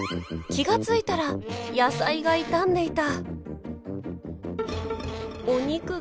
気が付いたら野菜が傷んでいた。